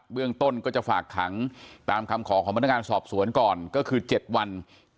เรื่องต้นก็จะฝากขังตามคำขอของพนักงานสอบสวนก่อนก็คือ๗วัน